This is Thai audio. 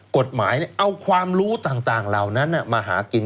กฎหมายเอาความรู้ต่างเหล่านั้นมาหากิน